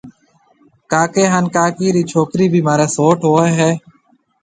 ڪاڪيَ هانَ ڪاڪِي رِي ڇوڪرِي ڀِي مهارِي سئوٽ هوئي هيَ